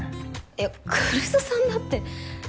いや来栖さんだって。